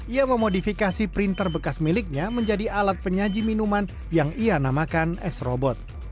ia memodifikasi printer bekas miliknya menjadi alat penyaji minuman yang ia namakan s robot